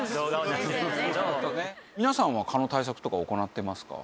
皆さんは蚊の対策とか行ってますか？